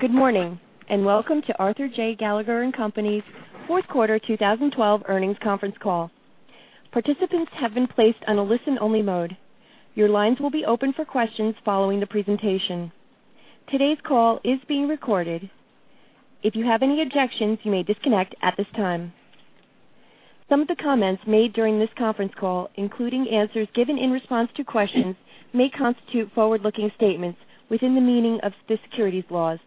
Good morning. Welcome to Arthur J. Gallagher & Co.'s fourth quarter 2012 earnings conference call. Participants have been placed on a listen-only mode. Your lines will be open for questions following the presentation. Today's call is being recorded. If you have any objections, you may disconnect at this time. Some of the comments made during this conference call, including answers given in response to questions, may constitute forward-looking statements within the meaning of the securities laws.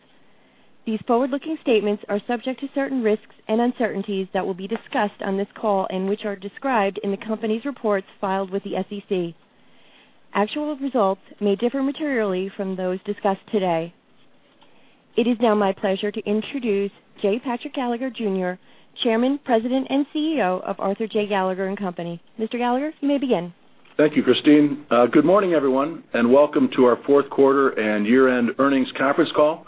These forward-looking statements are subject to certain risks and uncertainties that will be discussed on this call and which are described in the company's reports filed with the SEC. Actual results may differ materially from those discussed today. It is now my pleasure to introduce J. Patrick Gallagher Jr., Chairman, President, and CEO of Arthur J. Gallagher & Co.. Mr. Gallagher, you may begin. Thank you, Christine. Good morning, everyone. Welcome to our fourth quarter and year-end earnings conference call.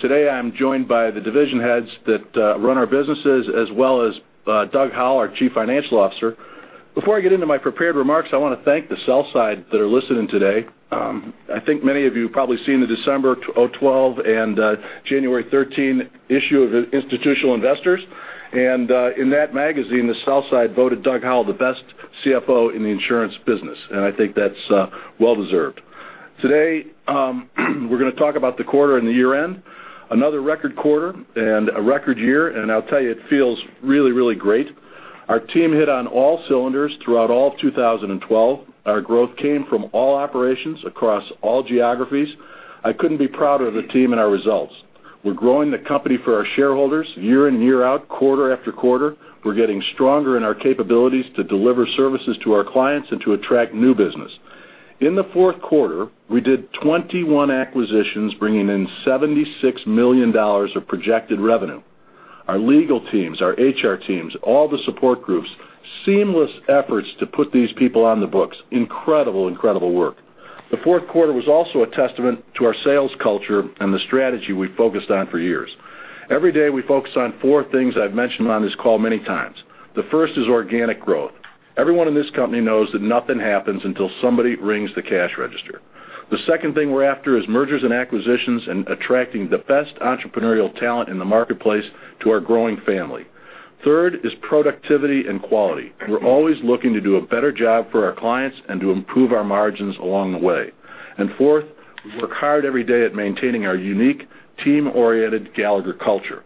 Today I'm joined by the division heads that run our businesses, as well as Doug Howell, our Chief Financial Officer. Before I get into my prepared remarks, I want to thank the sell side that are listening today. I think many of you have probably seen the December 2012 and January 2013 issue of Institutional Investor. In that magazine, the sell side voted Doug Howell the best CFO in the insurance business. I think that's well deserved. Today, we're going to talk about the quarter and the year-end, another record quarter and a record year. I'll tell you, it feels really, really great. Our team hit on all cylinders throughout all of 2012. Our growth came from all operations across all geographies. I couldn't be prouder of the team and our results. We're growing the company for our shareholders year in and year out, quarter after quarter. We're getting stronger in our capabilities to deliver services to our clients and to attract new business. In the fourth quarter, we did 21 acquisitions, bringing in $76 million of projected revenue. Our legal teams, our HR teams, all the support groups, seamless efforts to put these people on the books. Incredible, incredible work. The fourth quarter was also a testament to our sales culture and the strategy we've focused on for years. Every day, we focus on four things I've mentioned on this call many times. The first is organic growth. Everyone in this company knows that nothing happens until somebody rings the cash register. The second thing we're after is mergers and acquisitions and attracting the best entrepreneurial talent in the marketplace to our growing family. Third is productivity and quality. We're always looking to do a better job for our clients and to improve our margins along the way. Fourth, we work hard every day at maintaining our unique team-oriented Gallagher culture.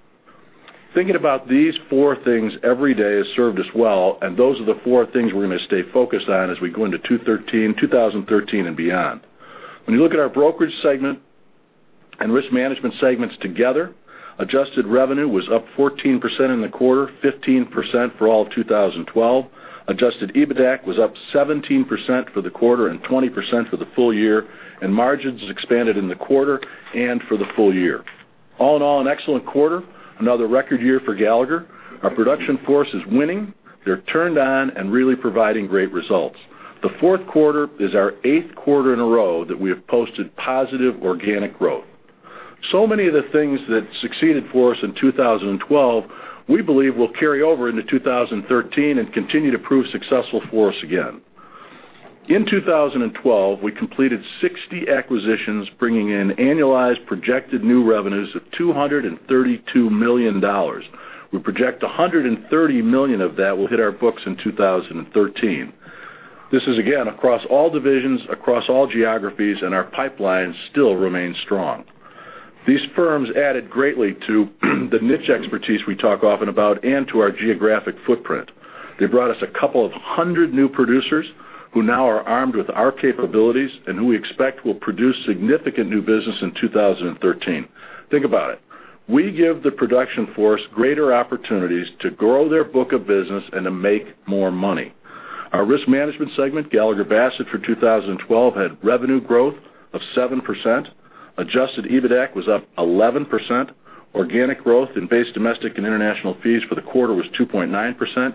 Thinking about these four things every day has served us well. Those are the four things we're going to stay focused on as we go into 2013 and beyond. When you look at our brokerage segment and risk management segments together, adjusted revenue was up 14% in the quarter, 15% for all of 2012. Adjusted EBITAC was up 17% for the quarter and 20% for the full year. Margins expanded in the quarter and for the full year. All in all, an excellent quarter, another record year for Gallagher. Our production force is winning. They're turned on and really providing great results. The fourth quarter is our eighth quarter in a row that we have posted positive organic growth. Many of the things that succeeded for us in 2012, we believe will carry over into 2013 and continue to prove successful for us again. In 2012, we completed 60 acquisitions, bringing in annualized projected new revenues of $232 million. We project $130 million of that will hit our books in 2013. This is again across all divisions, across all geographies, and our pipeline still remains strong. These firms added greatly to the niche expertise we talk often about and to our geographic footprint. They brought us a couple of hundred new producers who now are armed with our capabilities and who we expect will produce significant new business in 2013. Think about it. We give the production force greater opportunities to grow their book of business and to make more money. Our risk management segment, Gallagher Bassett, for 2012, had revenue growth of 7%. Adjusted EBITAC was up 11%. Organic growth in base domestic and international fees for the quarter was 2.9%.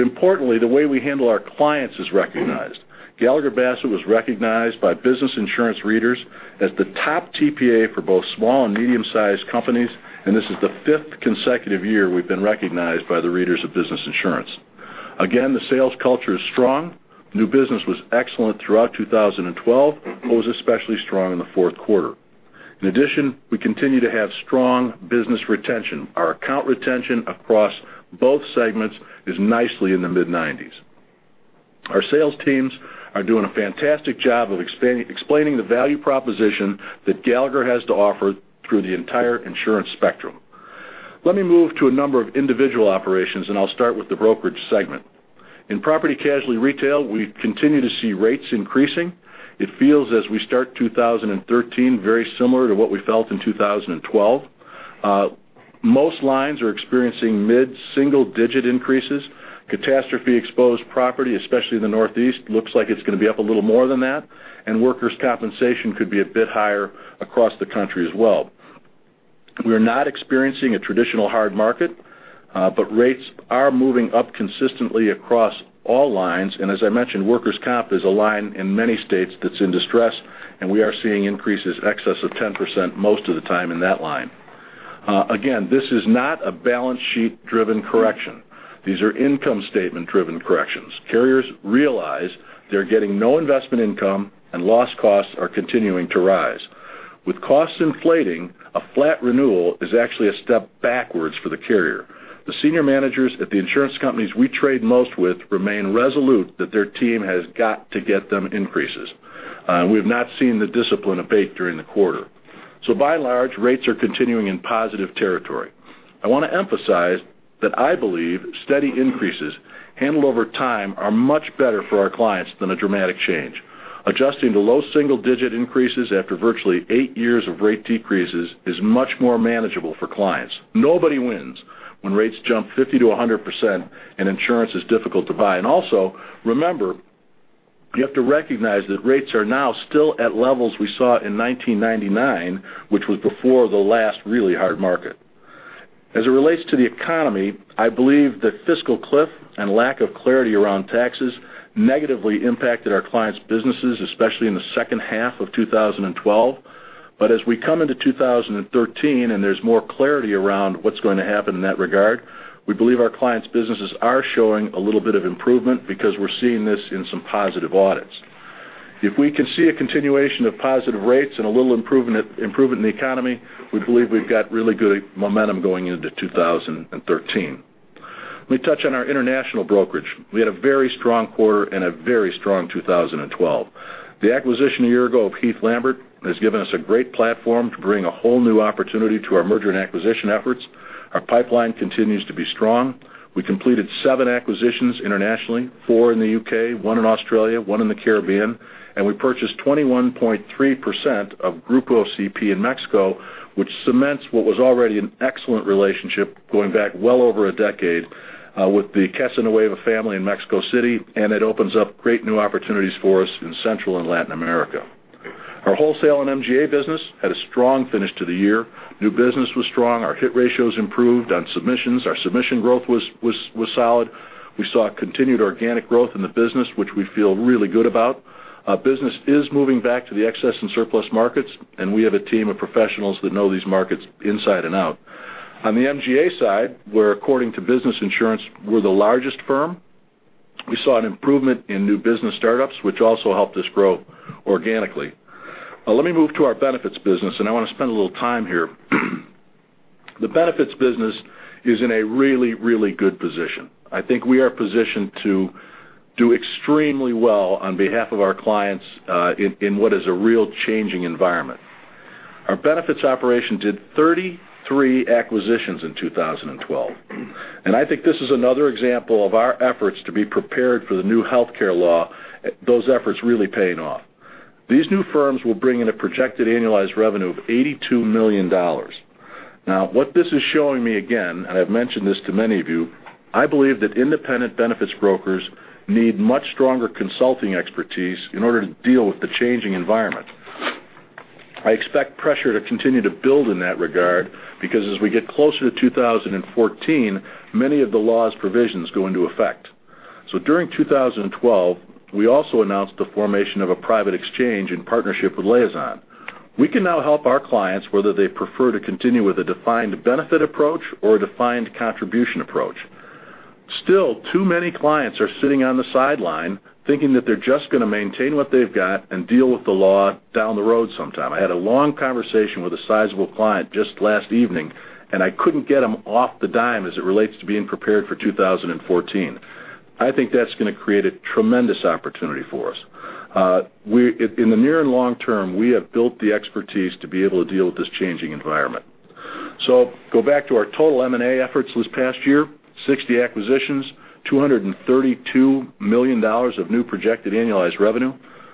Importantly, the way we handle our clients is recognized. Gallagher Bassett was recognized by Business Insurance readers as the top TPA for both small and medium-sized companies, and this is the fifth consecutive year we've been recognized by the readers of Business Insurance. Again, the sales culture is strong. New business was excellent throughout 2012. It was especially strong in the fourth quarter. In addition, we continue to have strong business retention. Our account retention across both segments is nicely in the mid-90s. Our sales teams are doing a fantastic job of explaining the value proposition that Gallagher has to offer through the entire insurance spectrum. Let me move to a number of individual operations, and I'll start with the brokerage segment. In property casualty retail, we continue to see rates increasing. It feels as we start 2013, very similar to what we felt in 2012. Most lines are experiencing mid-single digit increases. Catastrophe exposed property, especially in the Northeast, looks like it's going to be up a little more than that, and workers' compensation could be a bit higher across the country as well. We are not experiencing a traditional hard market, but rates are moving up consistently across all lines. As I mentioned, workers' comp is a line in many states that's in distress, and we are seeing increases excess of 10% most of the time in that line. Again, this is not a balance sheet driven correction. These are income statement driven corrections. Carriers realize they're getting no investment income and loss costs are continuing to rise. With costs inflating, a flat renewal is actually a step backwards for the carrier. The senior managers at the insurance companies we trade most with remain resolute that their team has got to get them increases. We have not seen the discipline abate during the quarter. By and large, rates are continuing in positive territory. I want to emphasize that I believe steady increases handled over time are much better for our clients than a dramatic change. Adjusting to low single digit increases after virtually eight years of rate decreases is much more manageable for clients. Nobody wins when rates jump 50%-100% and insurance is difficult to buy. Also remember, you have to recognize that rates are now still at levels we saw in 1999, which was before the last really hard market. As it relates to the economy, I believe the fiscal cliff and lack of clarity around taxes negatively impacted our clients' businesses, especially in the second half of 2012. As we come into 2013 and there's more clarity around what's going to happen in that regard, we believe our clients' businesses are showing a little bit of improvement because we're seeing this in some positive audits. If we can see a continuation of positive rates and a little improvement in the economy, we believe we've got really good momentum going into 2013. Let me touch on our international brokerage. We had a very strong quarter and a very strong 2012. The acquisition a year ago of Heath Lambert has given us a great platform to bring a whole new opportunity to our merger and acquisition efforts. Our pipeline continues to be strong. We completed seven acquisitions internationally, four in the U.K., one in Australia, one in the Caribbean, and we purchased 21.3% of Grupo OCP in Mexico, which cements what was already an excellent relationship going back well over a decade, with the Casanueva family in Mexico City, and it opens up great new opportunities for us in Central and Latin America. Our wholesale and MGA business had a strong finish to the year. New business was strong. Our hit ratios improved on submissions. Our submission growth was solid. We saw continued organic growth in the business, which we feel really good about. Business is moving back to the excess and surplus markets, and we have a team of professionals that know these markets inside and out. On the MGA side, according to Business Insurance, we're the largest firm. We saw an improvement in new business startups, which also helped us grow organically. Let me move to our benefits business, and I want to spend a little time here. The benefits business is in a really good position. I think we are positioned to do extremely well on behalf of our clients, in what is a real changing environment. Our benefits operation did 33 acquisitions in 2012, I think this is another example of our efforts to be prepared for the new healthcare law, those efforts really paying off. These new firms will bring in a projected annualized revenue of $82 million. What this is showing me, again, and I've mentioned this to many of you, I believe that independent benefits brokers need much stronger consulting expertise in order to deal with the changing environment. I expect pressure to continue to build in that regard, because as we get closer to 2014, many of the law's provisions go into effect. During 2012, we also announced the formation of a private exchange in partnership with Liazon. We can now help our clients, whether they prefer to continue with a defined benefit approach or a defined contribution approach. Still, too many clients are sitting on the sideline thinking that they're just going to maintain what they've got and deal with the law down the road sometime. I had a long conversation with a sizable client just last evening, and I couldn't get him off the dime as it relates to being prepared for 2014. I think that's going to create a tremendous opportunity for us. In the near and long term, we have built the expertise to be able to deal with this changing environment. Go back to our total M&A efforts this past year, 60 acquisitions, $232 million of new projected annualized revenue.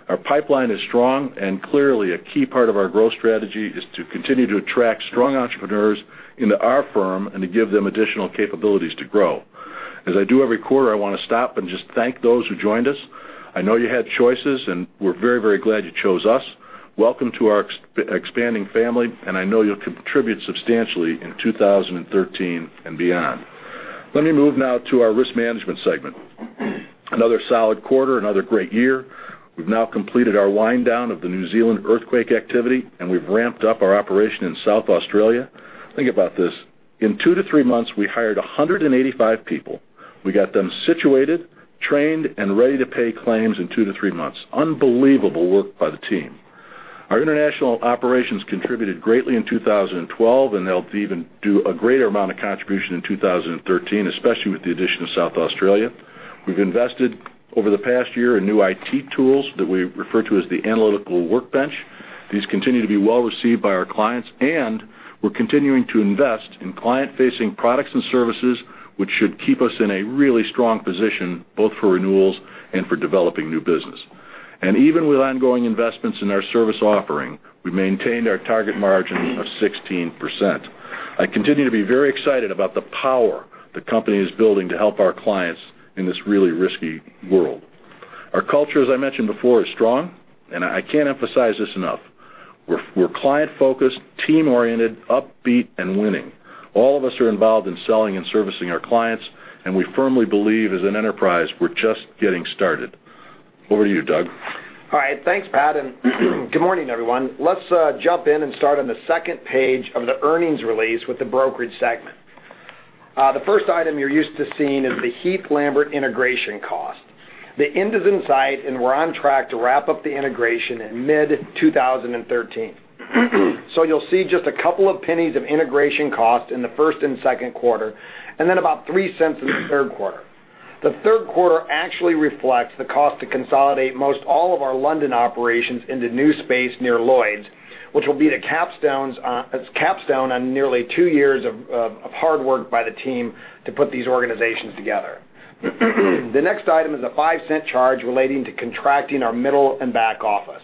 Our pipeline is strong and clearly a key part of our growth strategy is to continue to attract strong entrepreneurs into our firm and to give them additional capabilities to grow. As I do every quarter, I want to stop and just thank those who joined us. I know you had choices, and we're very glad you chose us. Welcome to our expanding family, and I know you'll contribute substantially in 2013 and beyond. Let me move now to our risk management segment. Another solid quarter, another great year. We've now completed our wind down of the New Zealand earthquake activity, and we've ramped up our operation in South Australia. Think about this. In two to three months, we hired 185 people. We got them situated, trained, and ready to pay claims in two to three months. Unbelievable work by the team. Our international operations contributed greatly in 2012, and they'll even do a greater amount of contribution in 2013, especially with the addition of South Australia. We've invested over the past year in new IT tools that we refer to as the analytical workbench. These continue to be well received by our clients, and we're continuing to invest in client facing products and services, which should keep us in a really strong position both for renewals and for developing new business. Even with ongoing investments in our service offering, we maintained our target margin of 16%. I continue to be very excited about the power the company is building to help our clients in this really risky world. Our culture, as I mentioned before, is strong, and I can't emphasize this enough. We're client focused, team oriented, upbeat and winning. All of us are involved in selling and servicing our clients, and we firmly believe as an enterprise, we're just getting started. Over to you, Doug. All right. Thanks, Pat, and good morning, everyone. Let's jump in and start on the second page of the earnings release with the brokerage segment. The first item you're used to seeing is the Heath Lambert integration cost. The end is in sight, and we're on track to wrap up the integration in mid-2013. You'll see just a couple of pennies of integration cost in the first and second quarter, and then about $0.03 in the third quarter. The third quarter actually reflects the cost to consolidate most all of our London operations into new space near Lloyd's, which will be the capstone on nearly two years of hard work by the team to put these organizations together. The next item is a $0.05 charge relating to contracting our middle and back office.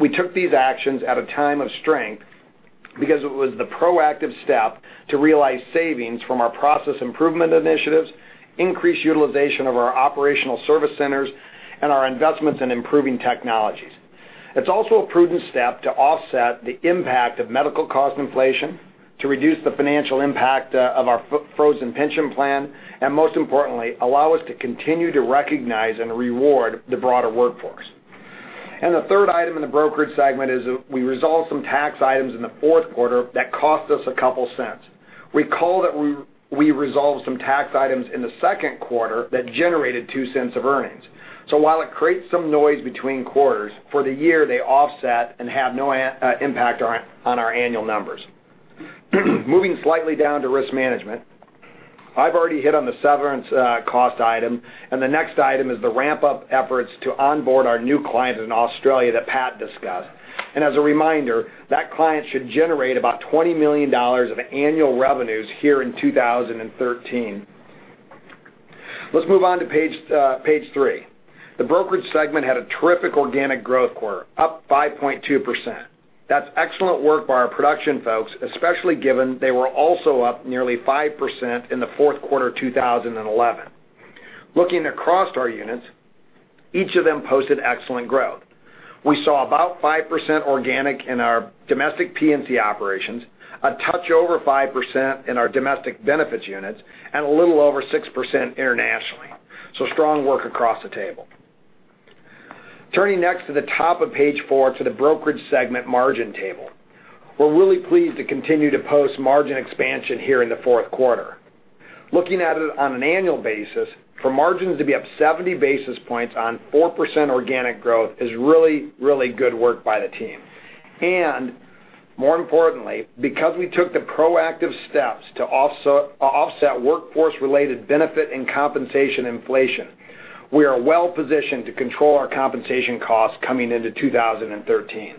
We took these actions at a time of strength because it was the proactive step to realize savings from our process improvement initiatives, increased utilization of our operational service centers, and our investments in improving technologies. It's also a prudent step to offset the impact of medical cost inflation, to reduce the financial impact of our frozen pension plan, and most importantly, allow us to continue to recognize and reward the broader workforce. The third item in the brokerage segment is we resolved some tax items in the fourth quarter that cost us $0.02. Recall that we resolved some tax items in the second quarter that generated $0.02 of earnings. While it creates some noise between quarters, for the year, they offset and have no impact on our annual numbers. Moving slightly down to Risk Management. I've already hit on the severance cost item, the next item is the ramp-up efforts to onboard our new clients in Australia that Pat discussed. As a reminder, that client should generate about $20 million of annual revenues here in 2013. Let's move on to page three. The brokerage segment had a terrific organic growth quarter, up 5.2%. That's excellent work by our production folks, especially given they were also up nearly 5% in the fourth quarter 2011. Looking across our units, each of them posted excellent growth. We saw about 5% organic in our domestic P&C operations, a touch over 5% in our domestic benefits units, and a little over 6% internationally. Strong work across the table. Turning next to the top of page four to the brokerage segment margin table. We're really pleased to continue to post margin expansion here in the fourth quarter. Looking at it on an annual basis, for margins to be up 70 basis points on 4% organic growth is really, really good work by the team. More importantly, because we took the proactive steps to offset workforce-related benefit and compensation inflation, we are well positioned to control our compensation costs coming into 2013.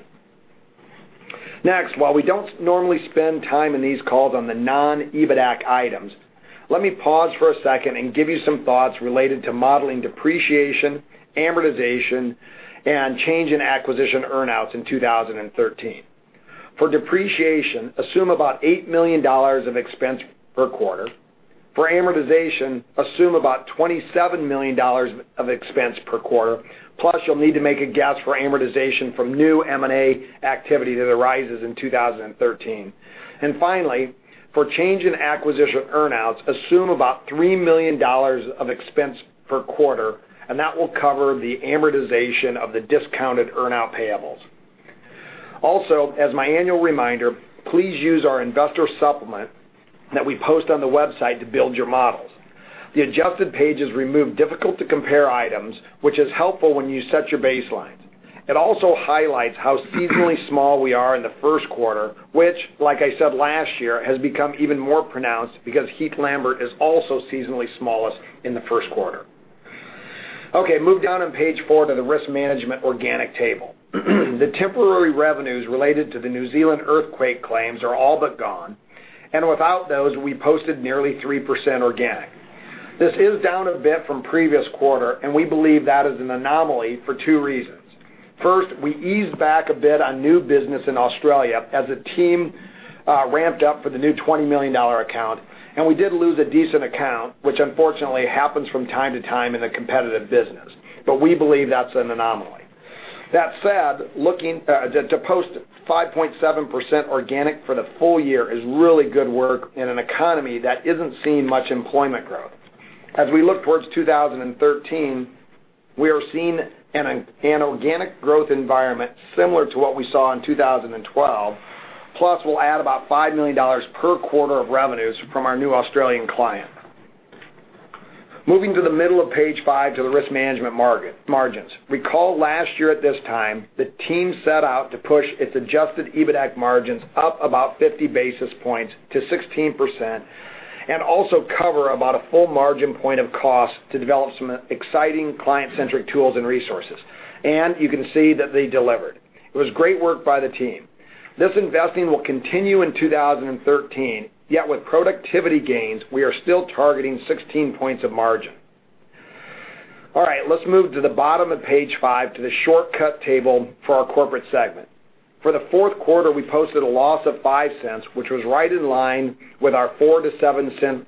Next, while we don't normally spend time in these calls on the non-EBITDA items, let me pause for a second and give you some thoughts related to modeling depreciation, amortization, and change in acquisition earn-outs in 2013. For depreciation, assume about $8 million of expense per quarter. For amortization, assume about $27 million of expense per quarter, plus you'll need to make a guess for amortization from new M&A activity that arises in 2013. Finally, for change in acquisition earn-outs, assume about $3 million of expense per quarter, and that will cover the amortization of the discounted earn-out payables. Also, as my annual reminder, please use our investor supplement that we post on the website to build your models. The adjusted pages remove difficult to compare items, which is helpful when you set your baselines. It also highlights how seasonally small we are in the first quarter, which, like I said last year, has become even more pronounced because Heath Lambert is also seasonally smallest in the first quarter. Move down on page four to the Risk Management organic table. The temporary revenues related to the New Zealand earthquake claims are all but gone, and without those, we posted nearly 3% organic. This is down a bit from previous quarter, and we believe that is an anomaly for two reasons. First, we eased back a bit on new business in Australia as the team ramped up for the new $20 million account. We did lose a decent account, which unfortunately happens from time to time in a competitive business. We believe that's an anomaly. That said, to post 5.7% organic for the full year is really good work in an economy that isn't seeing much employment growth. As we look towards 2013, we are seeing an organic growth environment similar to what we saw in 2012. Plus, we'll add about $5 million per quarter of revenues from our new Australian client. Moving to the middle of page five to the risk management margins. Recall last year at this time, the team set out to push its adjusted EBITAC margins up about 50 basis points to 16% and also cover about a full margin point of cost to develop some exciting client-centric tools and resources. You can see that they delivered. It was great work by the team. This investing will continue in 2013. Yet, with productivity gains, we are still targeting 16 points of margin. All right. Let's move to the bottom of page five to the shortcut table for our corporate segment. For the fourth quarter, we posted a loss of $0.05, which was right in line with our $0.04-$0.07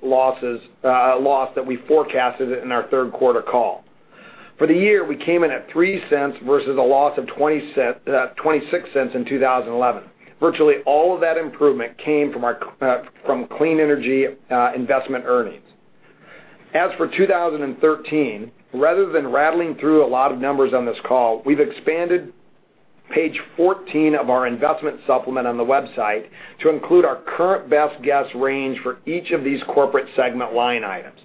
loss that we forecasted in our third quarter call. For the year, we came in at $0.03 versus a loss of $0.26 in 2011. Virtually all of that improvement came from clean energy investment earnings. As for 2013, rather than rattling through a lot of numbers on this call, we've expanded page 14 of our investment supplement on the website to include our current best guess range for each of these corporate segment line items.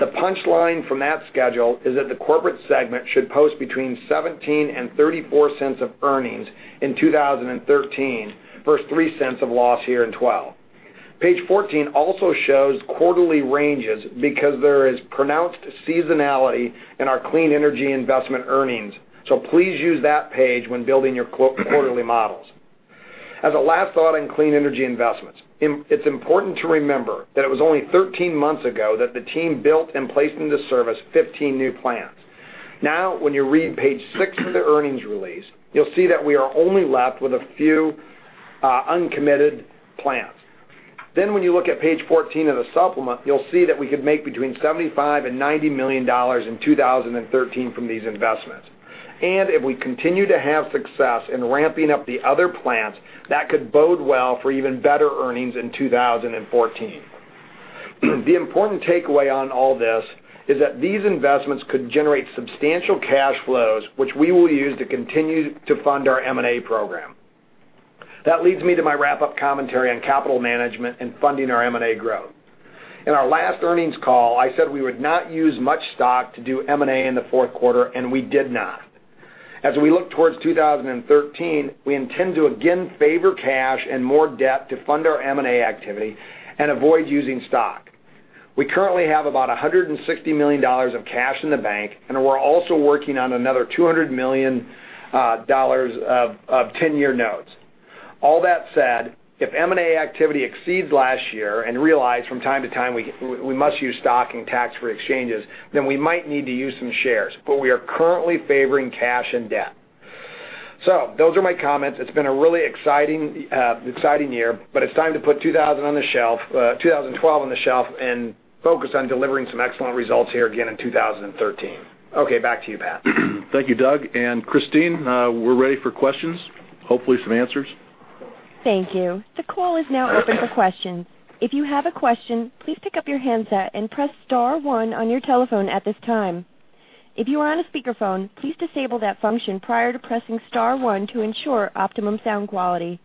The punchline from that schedule is that the corporate segment should post between $0.17 and $0.34 of earnings in 2013 versus $0.03 of loss here in 2012. Page 14 also shows quarterly ranges because there is pronounced seasonality in our clean energy investment earnings, so please use that page when building your quarterly models. As a last thought on clean energy investments, it's important to remember that it was only 13 months ago that the team built and placed into service 15 new plants. Now, when you read page six of the earnings release, you'll see that we are only left with a few uncommitted plants. When you look at page 14 of the supplement, you'll see that we could make between $75 million and $90 million in 2013 from these investments. If we continue to have success in ramping up the other plants, that could bode well for even better earnings in 2014. The important takeaway on all this is that these investments could generate substantial cash flows, which we will use to continue to fund our M&A program. That leads me to my wrap-up commentary on capital management and funding our M&A growth. In our last earnings call, I said we would not use much stock to do M&A in the fourth quarter. We did not. As we look towards 2013, we intend to again favor cash and more debt to fund our M&A activity and avoid using stock. We currently have about $160 million of cash in the bank. We are also working on another $200 million of 10-year notes. All that said, if M&A activity exceeds last year, realize from time to time, we must use stock and tax-free exchanges, we might need to use some shares. We are currently favoring cash and debt. Those are my comments. It has been a really exciting year. It is time to put 2012 on the shelf and focus on delivering some excellent results here again in 2013. Okay, back to you, Pat. Thank you, Doug. Christine, we are ready for questions, hopefully some answers. Thank you. The call is now open for questions. If you have a question, please pick up your handset and press *1 on your telephone at this time. If you are on a speakerphone, please disable that function prior to pressing *1 to ensure optimum sound quality.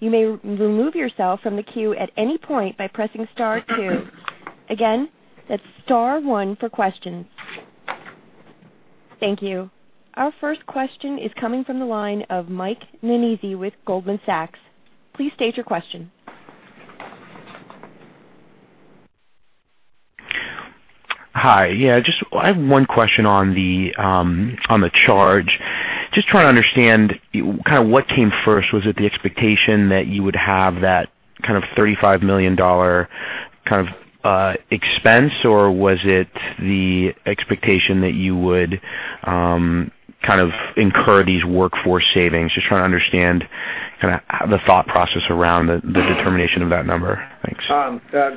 You may remove yourself from the queue at any point by pressing *2. Again, that is *1 for questions. Thank you. Our first question is coming from the line of Michael Nannizzi with Goldman Sachs. Please state your question. Hi. Yeah, I have one question on the charge. Just trying to understand what came first. Was it the expectation that you would have that $35 million expense, was it the expectation that you would incur these workforce savings? Just trying to understand the thought process around the determination of that number. Thanks.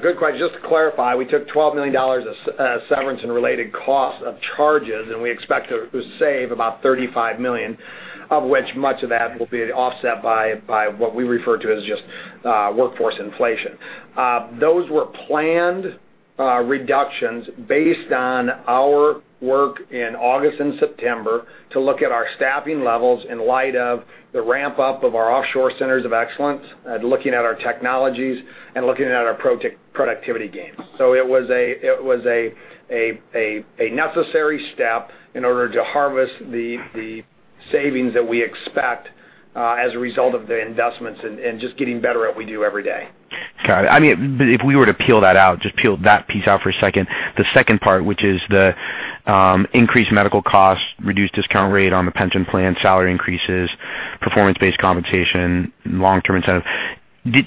Good question. Just to clarify, we took $12 million of severance and related costs of charges. We expect to save about $35 million, of which much of that will be offset by what we refer to as just workforce inflation. Those were planned reductions based on our work in August and September to look at our staffing levels in light of the ramp-up of our offshore centers of excellence at looking at our technologies and looking at our productivity gains. It was a necessary step in order to harvest the savings that we expect as a result of the investments and just getting better at what we do every day. Got it. If we were to peel that out, just peel that piece out for a second. The second part, which is the increased medical costs, reduced discount rate on the pension plan, salary increases, performance-based compensation, long-term incentive. Is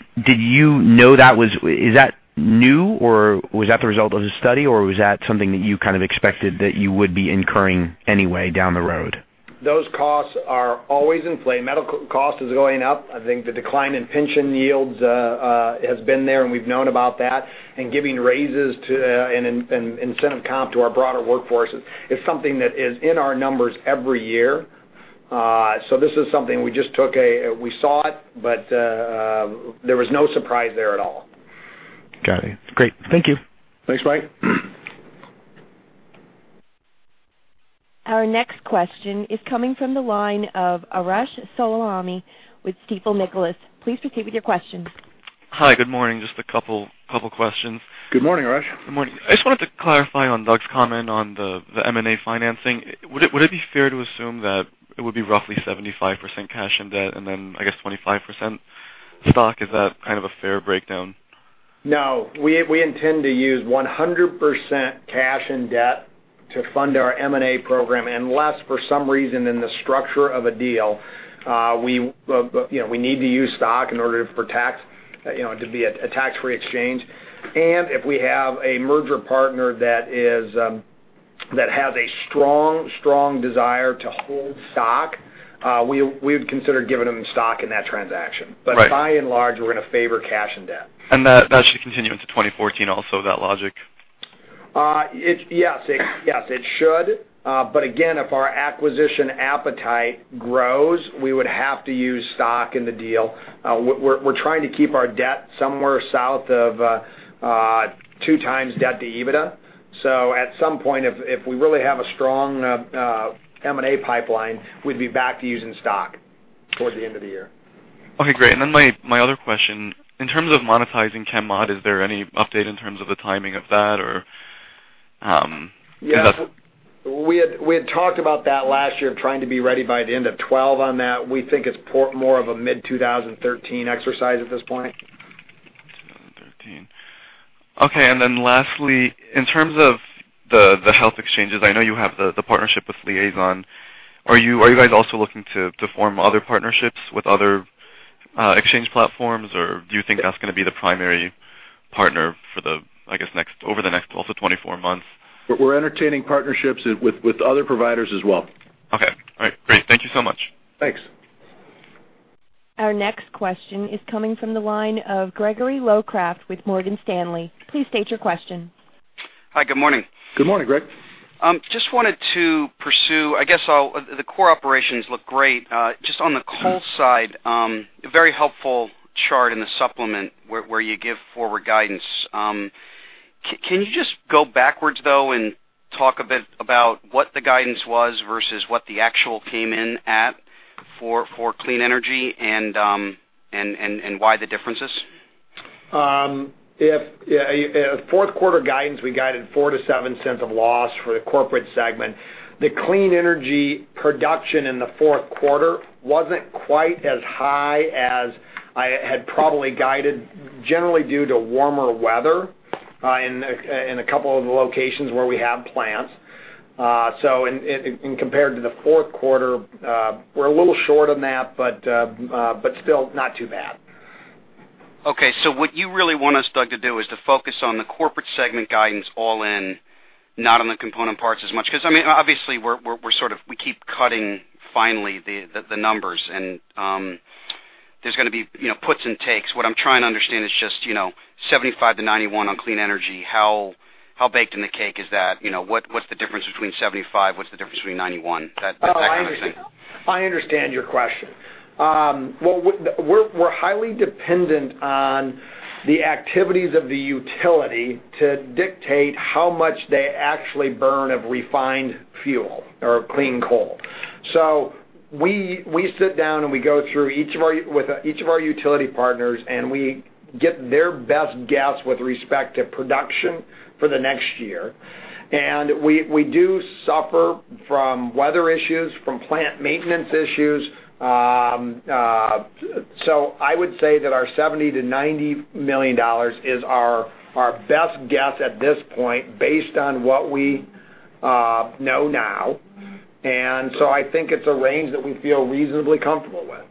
that new, or was that the result of the study, or was that something that you expected that you would be incurring anyway down the road? Those costs are always in play. Medical cost is going up. I think the decline in pension yields has been there, and we've known about that. Giving raises and incentive comp to our broader workforce is something that is in our numbers every year. This is something we saw it. There was no surprise there at all. Got it. Great. Thank you. Thanks, Mike. Our next question is coming from the line of Arash Soleimani with Stifel Nicolaus. Please proceed with your question. Hi. Good morning. Just a couple questions. Good morning, Arash. Good morning. I just wanted to clarify on Doug's comment on the M&A financing. Would it be fair to assume that it would be roughly 75% cash and debt and then, I guess 25% stock? Is that kind of a fair breakdown? No. We intend to use 100% cash and debt to fund our M&A program, unless for some reason in the structure of a deal we need to use stock in order for it to be a tax-free exchange. If we have a merger partner that has a strong desire to hold stock, we would consider giving them stock in that transaction. Right. By and large, we're going to favor cash and debt. That should continue into 2014 also, that logic? Yes, it should. Again, if our acquisition appetite grows, we would have to use stock in the deal. We're trying to keep our debt somewhere south of two times debt to EBITDA. At some point, if we really have a strong M&A pipeline, we'd be back to using stock towards the end of the year. Okay, great. Then my other question, in terms of monetizing ChemMod, is there any update in terms of the timing of that. We had talked about that last year, of trying to be ready by the end of 2012 on that. We think it's more of a mid-2013 exercise at this point. 2013. Then lastly, in terms of the health exchanges, I know you have the partnership with Liaison. Are you guys also looking to form other partnerships with other exchange platforms, or do you think that's going to be the primary partner for the next 24 months? We're entertaining partnerships with other providers as well. Okay. All right. Great. Thank you so much. Thanks. Our next question is coming from the line of Gregory Locraft with Morgan Stanley. Please state your question. Hi. Good morning. Good morning, Greg. Just wanted to pursue, I guess the core operations look great. Just on the coal side, a very helpful chart in the supplement where you give forward guidance. Can you just go backwards, though, and talk a bit about what the guidance was versus what the actual came in at for Clean Energy, and why the differences? Yeah. Fourth quarter guidance, we guided $0.04-$0.07 of loss for the Corporate segment. The Clean Energy production in the fourth quarter wasn't quite as high as I had probably guided, generally due to warmer weather in a couple of the locations where we have plants. In compared to the fourth quarter, we're a little short on that, but still not too bad. Okay, what you really want us, Doug, to do is to focus on the Corporate segment guidance all in, not on the component parts as much. Because obviously, we keep cutting finally the numbers, and there's going to be puts and takes. What I'm trying to understand is just $0.75-$0.91 on Clean Energy, how baked in the cake is that? What's the difference between $0.75? What's the difference between $0.91? That kind of thing. I understand your question. We're highly dependent on the activities of the utility to dictate how much they actually burn of refined fuel or clean coal. We sit down and we go through with each of our utility partners, and we get their best guess with respect to production for the next year. We do suffer from weather issues, from plant maintenance issues. I would say that our $70 million-$90 million is our best guess at this point, based on what we know now. I think it's a range that we feel reasonably comfortable with.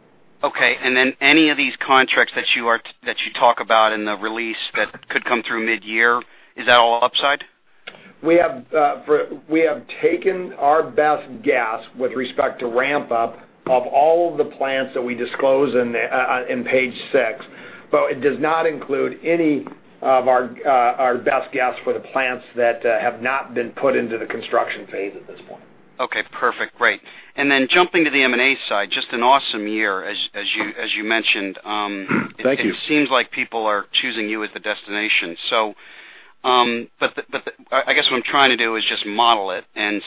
Okay, any of these contracts that you talk about in the release that could come through mid-year, is that all upside? We have taken our best guess with respect to ramp-up of all of the plants that we disclose in page six, it does not include any of our best guess for the plants that have not been put into the construction phase at this point. Okay. Perfect. Great. Jumping to the M&A side, just an awesome year as you mentioned. Thank you. It seems like people are choosing you as the destination. I guess what I'm trying to do is just model it, and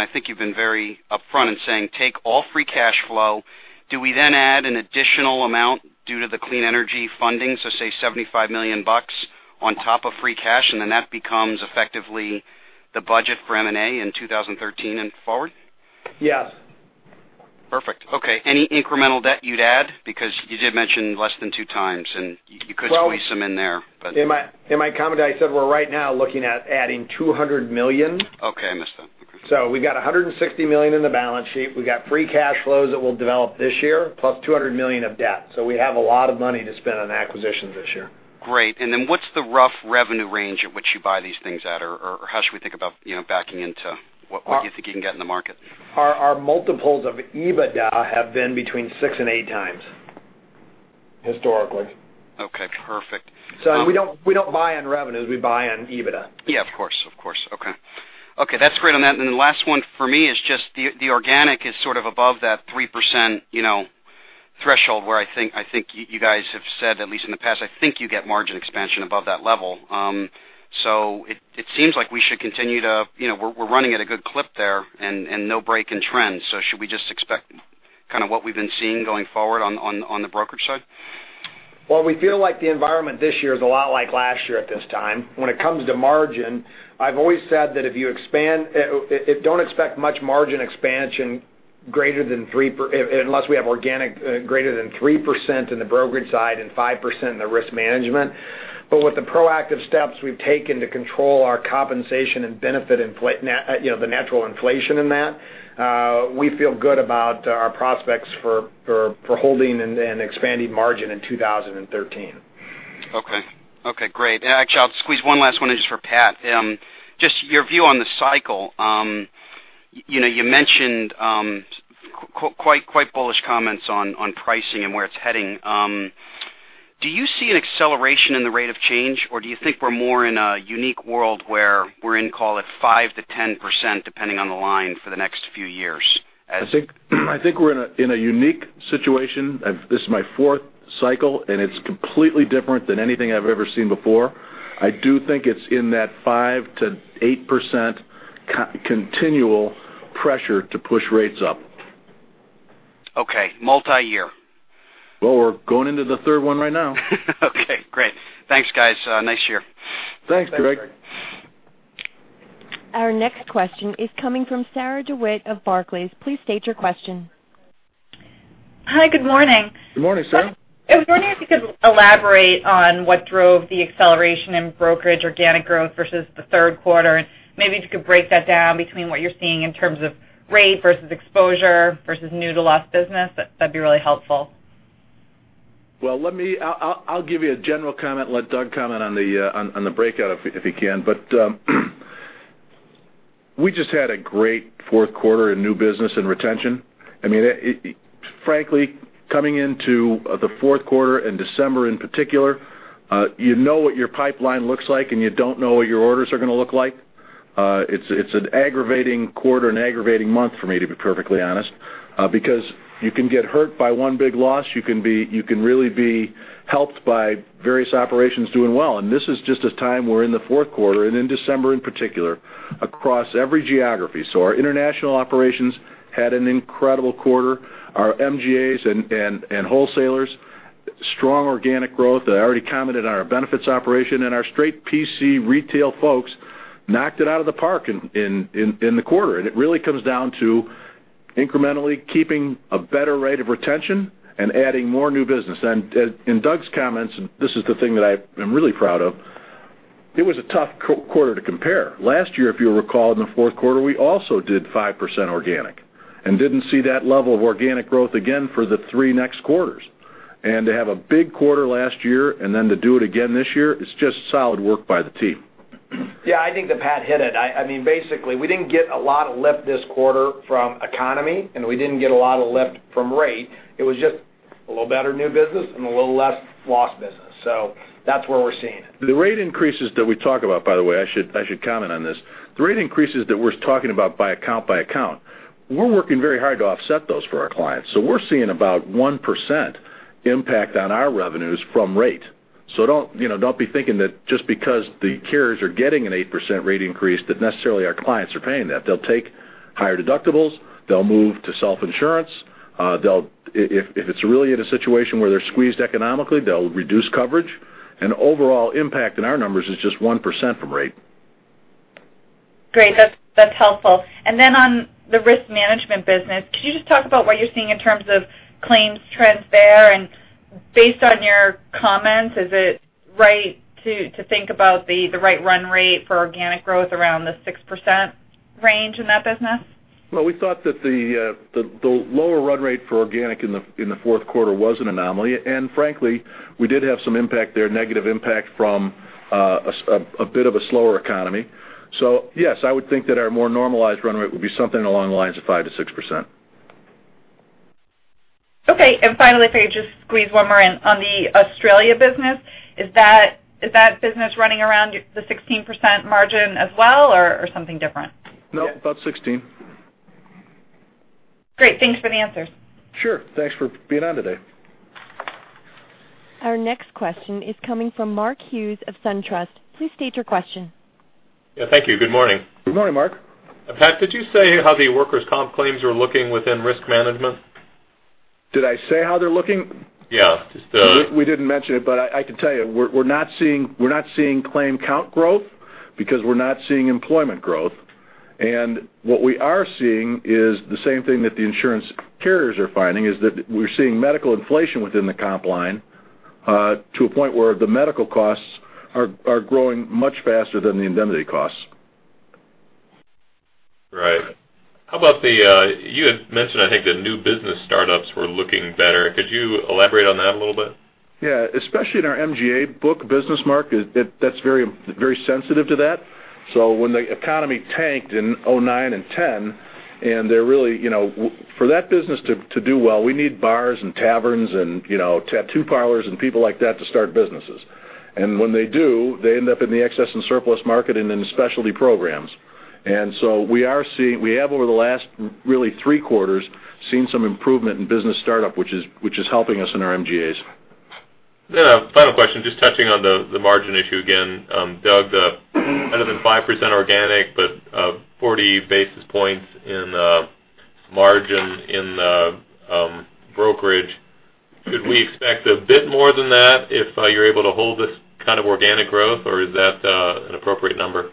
I think you've been very upfront in saying, take all free cash flow. Do we then add an additional amount due to the clean energy funding, so say $75 million bucks on top of free cash, and then that becomes effectively the budget for M&A in 2013 and forward? Yes. Perfect. Okay. Any incremental debt you'd add? You did mention less than two times, and you could squeeze some in there. In my comment, I said we're right now looking at adding $200 million. Okay. I missed that. We've got $160 million in the balance sheet. We got free cash flows that we'll develop this year, plus $200 million of debt. We have a lot of money to spend on acquisitions this year. Great. What's the rough revenue range at which you buy these things at? How should we think about backing into what you think you can get in the market? Our multiples of EBITDA have been between six and eight times, historically. Okay, perfect. We don't buy on revenues, we buy on EBITDA. Yeah, of course. Okay. That's great on that. The last one for me is just the organic is sort of above that 3% threshold where I think you guys have said, at least in the past, I think you get margin expansion above that level. It seems like we should continue to-- we're running at a good clip there and no break in trend. Should we just expect what we've been seeing going forward on the brokerage side? We feel like the environment this year is a lot like last year at this time. When it comes to margin, I've always said don't expect much margin expansion unless we have organic greater than 3% in the brokerage side and 5% in the risk management. With the proactive steps we've taken to control our compensation and benefit, the natural inflation in that, we feel good about our prospects for holding and expanding margin in 2013. Okay. Great. Actually, I'll squeeze one last one just for Pat. Just your view on the cycle. You mentioned quite bullish comments on pricing and where it's heading. Do you see an acceleration in the rate of change, or do you think we're more in a unique world where we're in, call it, 5%-10%, depending on the line for the next few years? I think we're in a unique situation. This is my fourth cycle. It's completely different than anything I've ever seen before. I do think it's in that 5%-8% continual pressure to push rates up. Okay. Multi-year. Well, we're going into the third one right now. Okay, great. Thanks, guys. Nice year. Thanks, Greg. Our next question is coming from Sarah DeWitt of Barclays. Please state your question. Hi. Good morning. Good morning, Sarah. I was wondering if you could elaborate on what drove the acceleration in brokerage organic growth versus the third quarter, and maybe if you could break that down between what you're seeing in terms of rate versus exposure versus new to lost business, that'd be really helpful. I'll give you a general comment and let Doug comment on the breakout if he can. We just had a great fourth quarter in new business and retention. Frankly, coming into the fourth quarter, in December in particular, you know what your pipeline looks like, and you don't know what your orders are going to look like. It's an aggravating quarter and an aggravating month for me, to be perfectly honest, because you can get hurt by one big loss. You can really be helped by various operations doing well. This is just a time, we're in the fourth quarter, and in December in particular, across every geography. Our international operations had an incredible quarter. Our MGAs and wholesalers, strong organic growth. I already commented on our benefits operation, and our straight P&C retail folks knocked it out of the park in the quarter. It really comes down to incrementally keeping a better rate of retention and adding more new business. In Doug's comments, this is the thing that I'm really proud of, it was a tough quarter to compare. Last year, if you'll recall, in the fourth quarter, we also did 5% organic and didn't see that level of organic growth again for the three next quarters. To have a big quarter last year and then to do it again this year, is just solid work by the team. Yeah, I think that Pat hit it. Basically, we didn't get a lot of lift this quarter from the economy, and we didn't get a lot of lift from rate. It was just a little better new business and a little less lost business. That's where we're seeing it. The rate increases that we talk about, by the way, I should comment on this. The rate increases that we're talking about by account. We're working very hard to offset those for our clients. We're seeing about 1% impact on our revenues from rate. Don't be thinking that just because the carriers are getting an 8% rate increase that necessarily our clients are paying that. They'll take higher deductibles, they'll move to self-insurance. If it's really in a situation where they're squeezed economically, they'll reduce coverage, and the overall impact on our numbers is just 1% from rate. Great. That's helpful. On the risk management business, could you just talk about what you're seeing in terms of claims trends there? Based on your comments, is it right to think about the right run rate for organic growth around the 6% range in that business? Well, we thought that the lower run rate for organic in the fourth quarter was an anomaly. Frankly, we did have some impact there, negative impact from a bit of a slower economy. Yes, I would think that our more normalized run rate would be something along the lines of 5%-6%. Okay. Finally, if I could just squeeze one more in. On the Australia business, is that business running around the 16% margin as well, or something different? No, about 16%. Great. Thanks for the answers. Sure. Thanks for being on today. Our next question is coming from Mark Hughes of SunTrust. Please state your question. Yeah, thank you. Good morning. Good morning, Mark. Pat, did you say how the workers' comp claims are looking within Risk Management? Did I say how they're looking? Yeah. We didn't mention it, but I can tell you, we're not seeing claim count growth because we're not seeing employment growth. What we are seeing is the same thing that the insurance carriers are finding, is that we're seeing medical inflation within the comp line to a point where the medical costs are growing much faster than the indemnity costs. Right. You had mentioned, I think, the new business startups were looking better. Could you elaborate on that a little bit? Yeah. Especially in our MGA book business market, that's very sensitive to that. When the economy tanked in 2009 and 2010, for that business to do well, we need bars and taverns and tattoo parlors and people like that to start businesses. When they do, they end up in the excess and surplus market and in the specialty programs. We have over the last really 3 quarters, seen some improvement in business startup, which is helping us in our MGAs. A final question, just touching on the margin issue again. Doug, other than 5% organic but 40 basis points in margin in brokerage, should we expect a bit more than that if you're able to hold this kind of organic growth, or is that an appropriate number?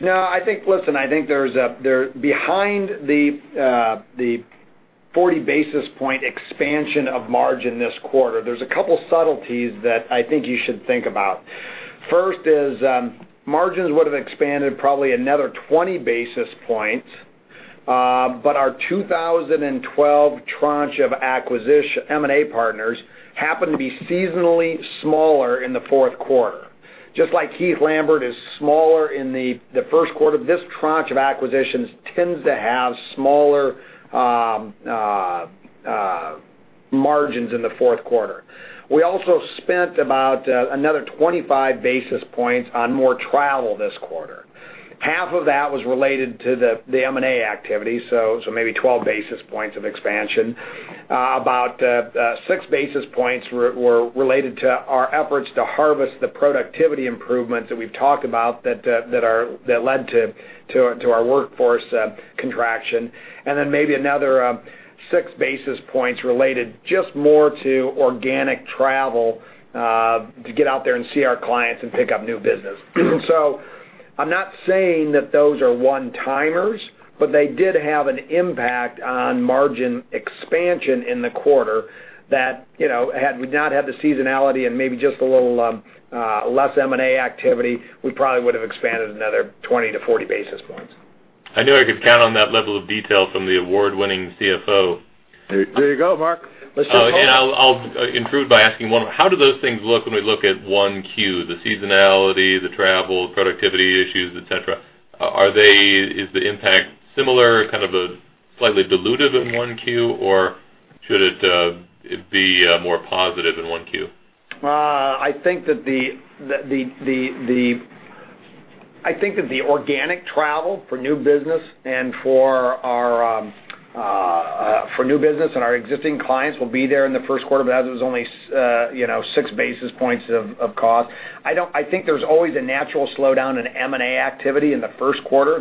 No. Listen, I think behind the 40 basis point expansion of margin this quarter, there's a couple of subtleties that I think you should think about. First is margins would've expanded probably another 20 basis points, but our 2012 tranche of M&A partners happened to be seasonally smaller in the fourth quarter. Just like Heath Lambert is smaller in the first quarter, this tranche of acquisitions tends to have smaller margins in the fourth quarter. We also spent about another 25 basis points on more travel this quarter. Half of that was related to the M&A activity, so maybe 12 basis points of expansion. About 6 basis points were related to our efforts to harvest the productivity improvements that we've talked about that led to our workforce contraction, maybe another 6 basis points related just more to organic travel, to get out there and see our clients and pick up new business. I'm not saying that those are one-timers, but they did have an impact on margin expansion in the quarter that, had we not had the seasonality and maybe just a little less M&A activity, we probably would have expanded another 20 to 40 basis points. I knew I could count on that level of detail from the award-winning CFO. There you go, Mark. Let's just hope. I'll intrude by asking one. How do those things look when we look at 1Q, the seasonality, the travel, productivity issues, et cetera? Is the impact similar, kind of slightly diluted in 1Q, or should it be more positive in 1Q? I think that the organic travel for new business and our existing clients will be there in the first quarter, but as it was only six basis points of cost. I think there's always a natural slowdown in M&A activity in the first quarter.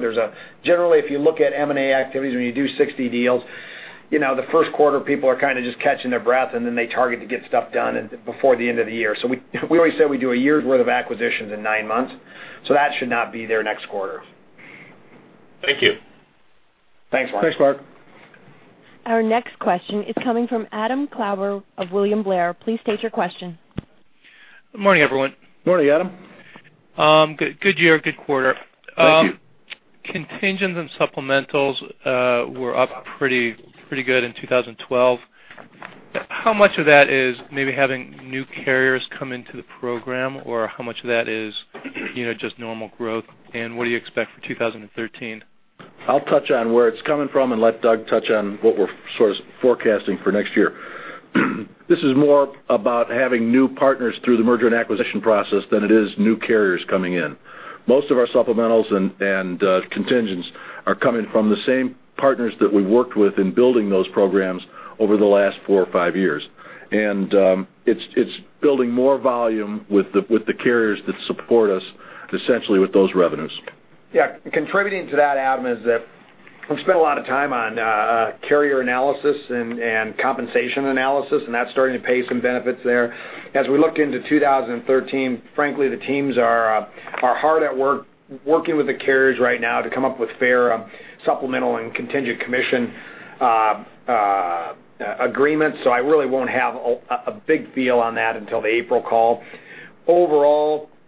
Generally, if you look at M&A activities, when you do 60 deals, the first quarter, people are kind of just catching their breath, and then they target to get stuff done before the end of the year. We always say we do a year's worth of acquisitions in nine months. That should not be there next quarter. Thank you. Thanks, Mark. Thanks, Mark. Our next question is coming from Adam Klauber of William Blair. Please state your question. Good morning, everyone. Morning, Adam. Good year, good quarter. Thank you. Contingents and supplementals were up pretty good in 2012. How much of that is maybe having new carriers come into the program, or how much of that is just normal growth? What do you expect for 2013? I'll touch on where it's coming from and let Doug touch on what we're sort of forecasting for next year. This is more about having new partners through the merger and acquisition process than it is new carriers coming in. Most of our supplementals and contingents are coming from the same partners that we've worked with in building those programs over the last four or five years. It's building more volume with the carriers that support us, essentially, with those revenues. Yeah. Contributing to that, Adam, is that we've spent a lot of time on carrier analysis and compensation analysis, and that's starting to pay some benefits there. As we look into 2013, frankly, the teams are hard at work, working with the carriers right now to come up with fair supplemental and contingent commission agreements. I really won't have a big feel on that until the April call.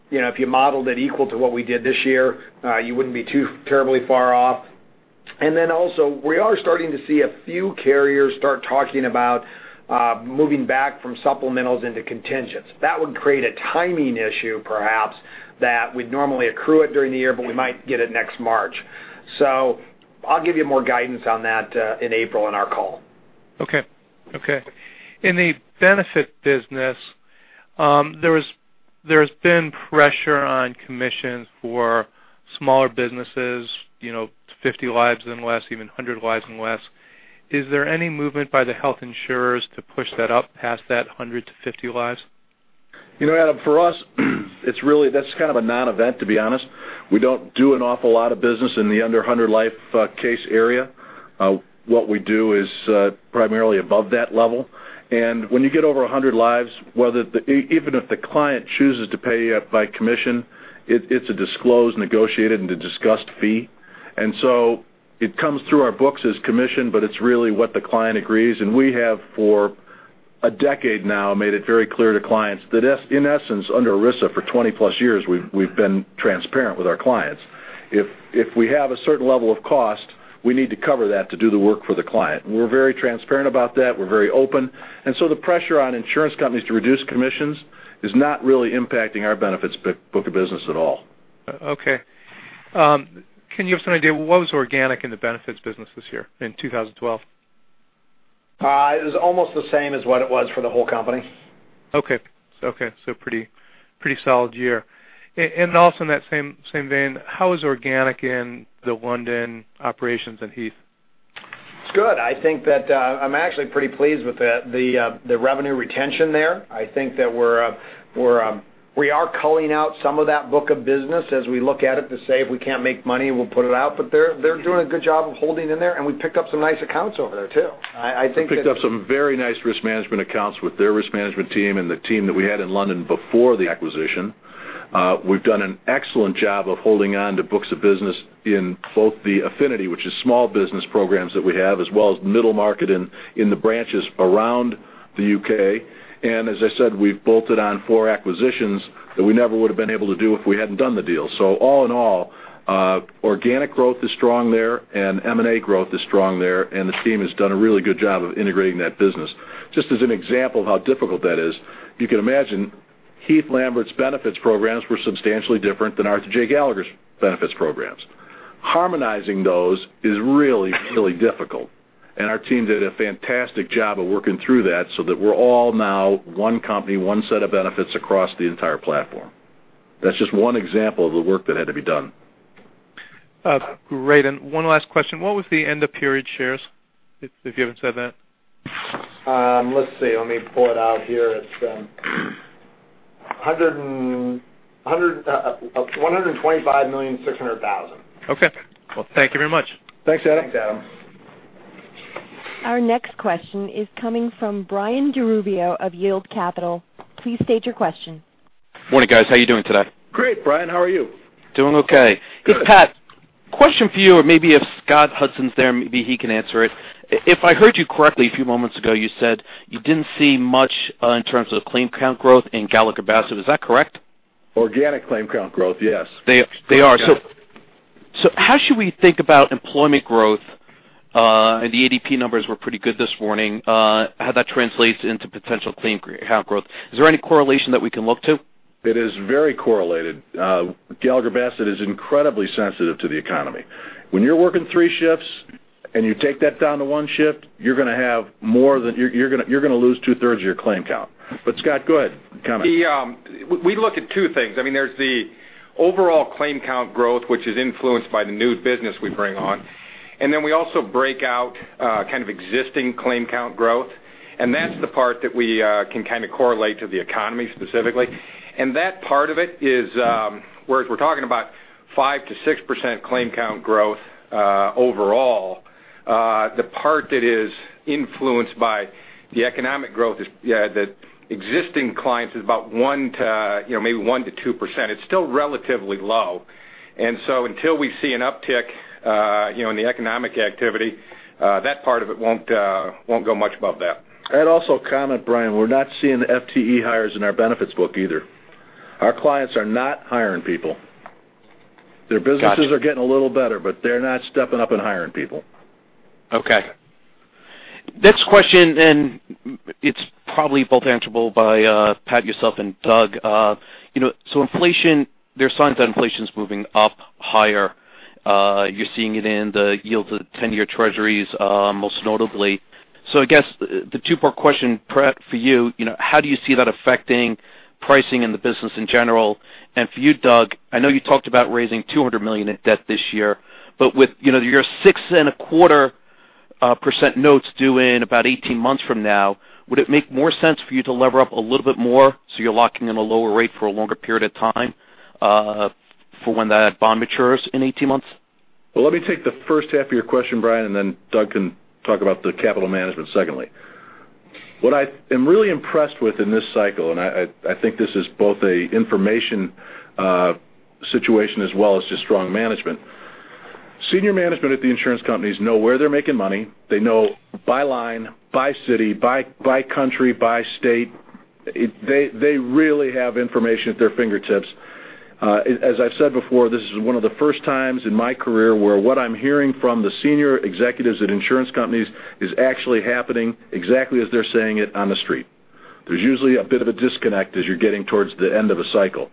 Overall, if you modeled it equal to what we did this year, you wouldn't be too terribly far off. Also, we are starting to see a few carriers start talking about moving back from supplementals into contingents. That would create a timing issue, perhaps, that we'd normally accrue it during the year, but we might get it next March. I'll give you more guidance on that in April on our call. Okay. In the benefit business, there's been pressure on commissions for smaller businesses, 50 lives and less, even 100 lives and less. Is there any movement by the health insurers to push that up past that 100 to 50 lives? Adam, for us, that's kind of a non-event, to be honest. We don't do an awful lot of business in the under 100 life case area. What we do is primarily above that level. When you get over 100 lives, even if the client chooses to pay you by commission, it's a disclosed, negotiated, and a discussed fee. It comes through our books as commission, but it's really what the client agrees. We have, for a decade now, made it very clear to clients that in essence, under ERISA for 20+ years, we've been transparent with our clients. If we have a certain level of cost, we need to cover that to do the work for the client. We're very transparent about that. We're very open. The pressure on insurance companies to reduce commissions is not really impacting our benefits book of business at all. Can you have some idea, what was organic in the benefits business this year, in 2012? It was almost the same as what it was for the whole company. Pretty solid year. Also in that same vein, how is organic in the London operations and Heath? It's good. I think that I'm actually pretty pleased with the revenue retention there. I think that we are culling out some of that book of business as we look at it to say, if we can't make money, we'll put it out. They're doing a good job of holding in there, and we picked up some nice accounts over there, too. We picked up some very nice risk management accounts with their risk management team and the team that we had in London before the acquisition. We've done an excellent job of holding on to books of business in both the affinity, which is small business programs that we have, as well as middle market in the branches around the U.K. As I said, we've bolted on 4 acquisitions that we never would've been able to do if we hadn't done the deal. All in all, organic growth is strong there, and M&A growth is strong there, and this team has done a really good job of integrating that business. Just as an example of how difficult that is, you can imagine Heath Lambert's benefits programs were substantially different than Arthur J. Gallagher's benefits programs. Harmonizing those is really difficult. Our team did a fantastic job of working through that so that we're all now 1 company, 1 set of benefits across the entire platform. That's just 1 example of the work that had to be done. Great. 1 last question, what was the end of period shares, if you haven't said that? Let's see. Let me pull it out here. It's $125,600,000. Okay. Well, thank you very much. Thanks, Adam. Thanks, Adam. Our next question is coming from Brian DeRubio of Yield Capital. Please state your question. Morning, guys. How are you doing today? Great, Brian. How are you? Doing okay. Good. Hey, Pat, question for you, or maybe if Scott Hudson's there, maybe he can answer it. If I heard you correctly a few moments ago, you said you didn't see much in terms of claim count growth in Gallagher Bassett. Is that correct? Organic claim count growth, yes. They are. Yes. How should we think about employment growth, and the ADP numbers were pretty good this morning, how that translates into potential claim count growth? Is there any correlation that we can look to? It is very correlated. Gallagher Bassett is incredibly sensitive to the economy. When you're working 3 shifts and you take that down to 1 shift, you're going to lose two-thirds of your claim count. Scott, go ahead, comment. We look at two things. There's the overall claim count growth, which is influenced by the new business we bring on. Then we also break out kind of existing claim count growth. That's the part that we can kind of correlate to the economy specifically. That part of it is, whereas we're talking about 5%-6% claim count growth overall, the part that is influenced by the economic growth is the existing clients is about maybe 1%-2%. It's still relatively low. So until we see an uptick in the economic activity, that part of it won't go much above that. I'd also comment, Brian, we're not seeing the FTE hires in our benefits book either. Our clients are not hiring people. Got you. Their businesses are getting a little better, they're not stepping up and hiring people. Okay. Next question, it's probably both answerable by Pat, yourself, and Doug. There are signs that inflation's moving up higher. You're seeing it in the yields of 10-year treasuries, most notably. I guess the two-part question, Pat, for you, how do you see that affecting pricing in the business in general? For you, Doug, I know you talked about raising $200 million in debt this year, with your 6.25% notes due in about 18 months from now, would it make more sense for you to lever up a little bit more so you're locking in a lower rate for a longer period of time for when that bond matures in 18 months? Well, let me take the first half of your question, Brian, Doug can talk about the capital management secondly. What I am really impressed with in this cycle, I think this is both a information situation as well as just strong management. Senior management at the insurance companies know where they're making money. They know by line, by city, by country, by state. They really have information at their fingertips. As I've said before, this is one of the first times in my career where what I'm hearing from the senior executives at insurance companies is actually happening exactly as they're saying it on the street. There's usually a bit of a disconnect as you're getting towards the end of a cycle.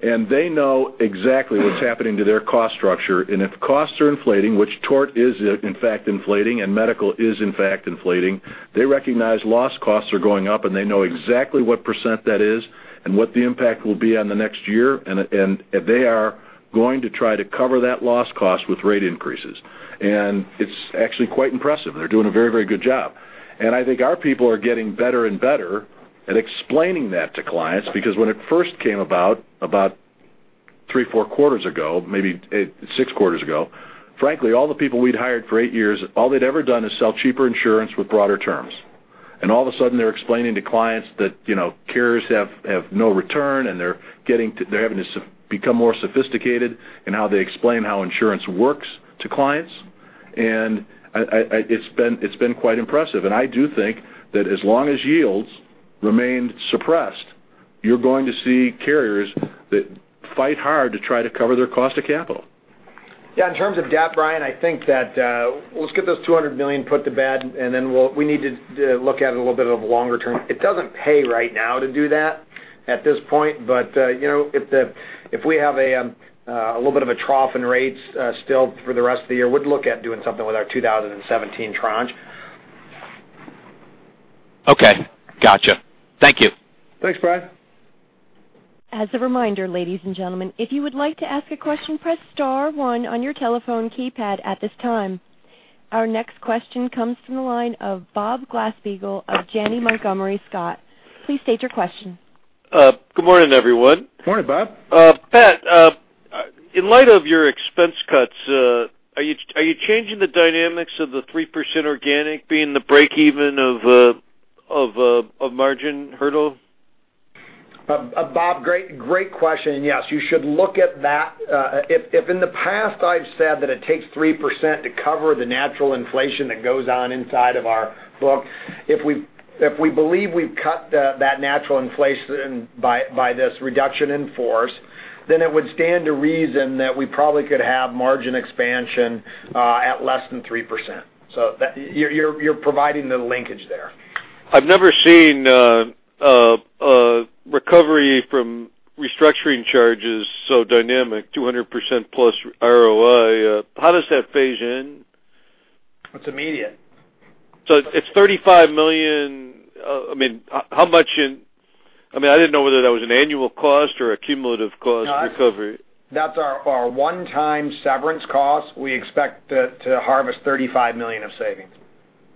They know exactly what's happening to their cost structure, if costs are inflating, which tort is in fact inflating, medical is in fact inflating, they recognize loss costs are going up they know exactly what % that is what the impact will be on the next year, they are going to try to cover that loss cost with rate increases. It's actually quite impressive. They're doing a very good job. I think our people are getting better and better at explaining that to clients because when it first came about three, four quarters ago, maybe six quarters ago, frankly, all the people we'd hired for eight years, all they'd ever done is sell cheaper insurance with broader terms. All of a sudden they're explaining to clients that carriers have no return and they're having to become more sophisticated in how they explain how insurance works to clients. It's been quite impressive. I do think that as long as yields remain suppressed, you're going to see carriers that fight hard to try to cover their cost of capital. Yeah. In terms of debt, Brian, I think that let's get those $200 million put to bed, then we need to look at it a little bit of a longer term. It doesn't pay right now to do that at this point. If we have a little bit of a trough in rates still for the rest of the year, we'd look at doing something with our 2017 tranche. Okay. Got you. Thank you. Thanks, Brian. As a reminder, ladies and gentlemen, if you would like to ask a question, press star one on your telephone keypad at this time. Our next question comes from the line of Bob Glasspiegel of Janney Montgomery Scott. Please state your question. Good morning, everyone. Morning, Bob. Pat, in light of your expense cuts, are you changing the dynamics of the 3% organic being the break-even of margin hurdle? Bob, great question. Yes, you should look at that. If in the past I've said that it takes 3% to cover the natural inflation that goes on inside of our book, if we believe we've cut that natural inflation by this reduction in force, it would stand to reason that we probably could have margin expansion at less than 3%. You're providing the linkage there. I've never seen a recovery from restructuring charges so dynamic, 200% plus ROI. How does that phase in? It's immediate. It's $35 million. I didn't know whether that was an annual cost or a cumulative cost recovery. No, that's our one-time severance cost. We expect to harvest $35 million of savings.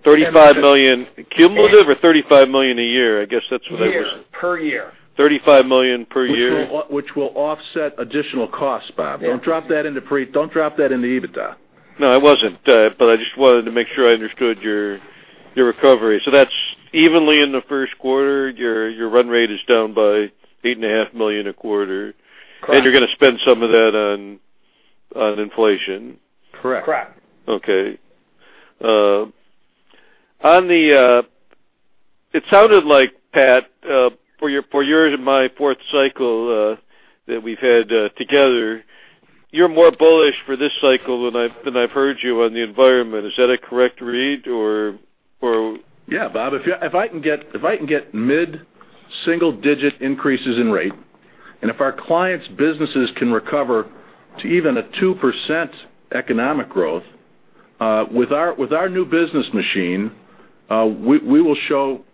$35 million cumulative or $35 million a year? Year. Per year. $35 million per year. Which will offset additional costs, Bob. Don't drop that in the EBITDA. No, I wasn't. I just wanted to make sure I understood your recovery. That's evenly in the first quarter, your run rate is down by eight and a half million a quarter. Correct. You're going to spend some of that on inflation. Correct. Correct. Okay. It sounded like, Pat, for your and my fourth cycle, that we've had together, you're more bullish for this cycle than I've heard you on the environment. Is that a correct read, or? Yeah, Bob. If I can get mid single-digit increases in rate, if our clients' businesses can recover to even a 2% economic growth, with our new business machine, we will show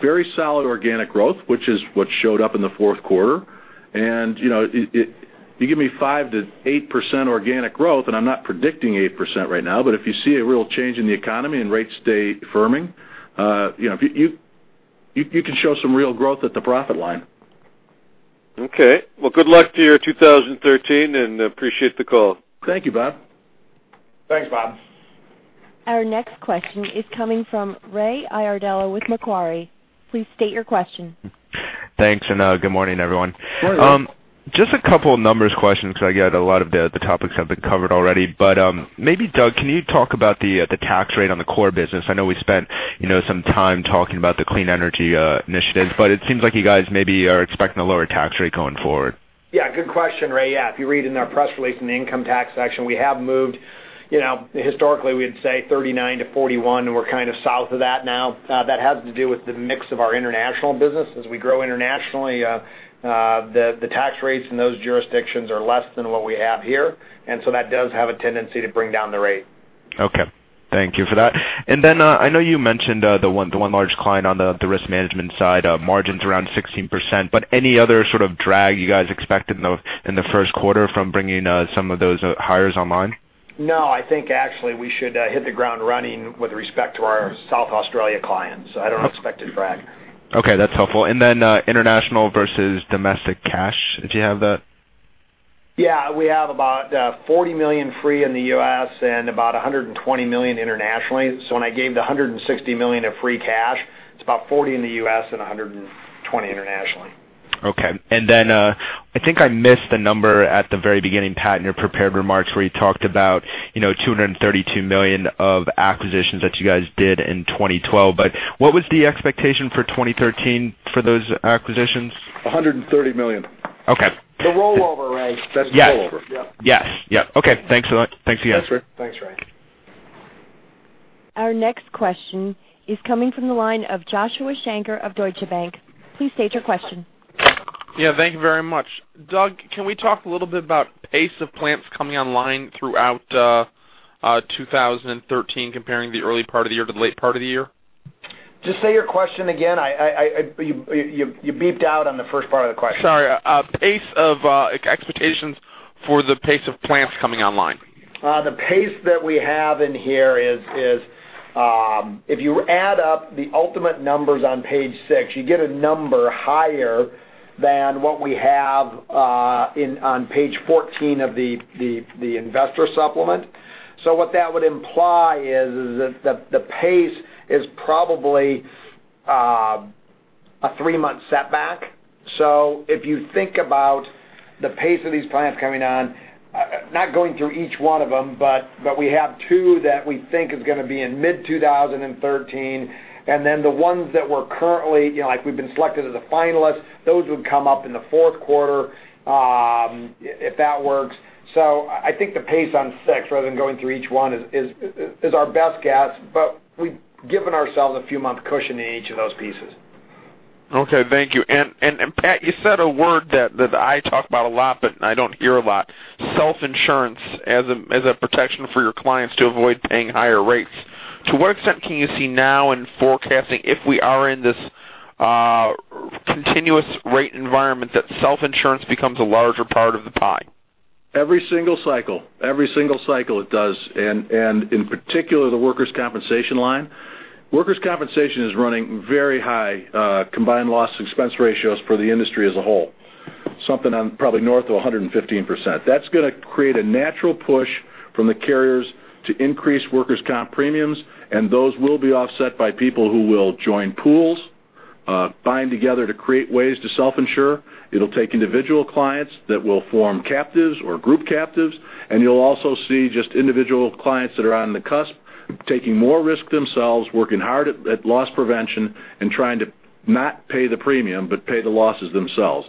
very solid organic growth, which is what showed up in the fourth quarter. You give me 5%-8% organic growth, I'm not predicting 8% right now, if you see a real change in the economy and rates stay firming, you can show some real growth at the profit line. Okay. Well, good luck to your 2013, appreciate the call. Thank you, Bob. Thanks, Bob. Our next question is coming from Raymond Iardella with Macquarie. Please state your question. Thanks, good morning, everyone. Morning. Just a couple of numbers questions, because I get a lot of the topics have been covered already. Maybe, Doug, can you talk about the tax rate on the core business? I know we spent some time talking about the clean energy initiatives, it seems like you guys maybe are expecting a lower tax rate going forward. Yeah, good question, Ray. Yeah, if you read in our press release in the income tax section, we have moved, historically, we'd say 39%-41%, we're kind of south of that now. That has to do with the mix of our international business. As we grow internationally, the tax rates in those jurisdictions are less than what we have here, that does have a tendency to bring down the rate. Okay. Thank you for that. I know you mentioned the one large client on the risk management side, margins around 16%, but any other sort of drag you guys expect in the first quarter from bringing some of those hires online? No, I think actually we should hit the ground running with respect to our South Australia clients. I don't expect a drag. Okay, that's helpful. International versus domestic cash. Do you have that? Yeah. We have about $40 million free in the U.S. and about $120 million internationally. When I gave the $160 million of free cash, it's about $40 in the U.S. and $120 internationally. Okay. Then I think I missed the number at the very beginning, Pat, in your prepared remarks where you talked about, $232 million of acquisitions that you guys did in 2012. What was the expectation for 2013 for those acquisitions? $130 million. Okay. The rollover, Ray. That's the rollover. Yeah. Yes. Okay. Thanks a lot. Thanks to you guys. Thanks, Ray. Thanks, Ray. Our next question is coming from the line of Joshua Shanker of Deutsche Bank. Please state your question. Yeah, thank you very much. Doug, can we talk a little bit about pace of plants coming online throughout 2013, comparing the early part of the year to the late part of the year? Just say your question again, you beeped out on the first part of the question. Sorry. Expectations for the pace of plants coming online. The pace that we have in here is, if you add up the ultimate numbers on page six, you get a number higher than what we have on page 14 of the investor supplement. What that would imply is that the pace is probably a three-month setback. If you think about the pace of these plants coming on, not going through each one of them, but we have two that we think is going to be in mid-2013, and then the ones that we're currently, like we've been selected as a finalist, those would come up in the fourth quarter, if that works. I think the pace on six, rather than going through each one, is our best guess, but we've given ourselves a few months cushion in each of those pieces. Okay, thank you. Pat, you said a word that I talk about a lot, but I don't hear a lot, self-insurance as a protection for your clients to avoid paying higher rates. To what extent can you see now in forecasting, if we are in this continuous rate environment, that self-insurance becomes a larger part of the pie? Every single cycle it does, in particular, the workers' compensation line. Workers' compensation is running very high combined loss expense ratios for the industry as a whole. Something on probably north of 115%. That's going to create a natural push from the carriers to increase workers' comp premiums, those will be offset by people who will join pools, bind together to create ways to self-insure. It'll take individual clients that will form captives or group captives, you'll also see just individual clients that are on the cusp, taking more risk themselves, working hard at loss prevention and trying to not pay the premium, but pay the losses themselves.